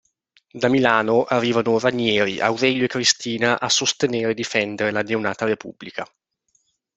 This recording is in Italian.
Da Milano arrivano Ranieri, Aurelio e Cristina a sostenere e difendere la neonata Repubblica.